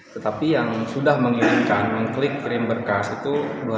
tetapi yang sudah mengirimkan mengklik krim berkas itu dua ratus satu